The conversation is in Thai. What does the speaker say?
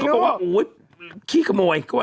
บอกว่าอุ๊ยขี้ขโมย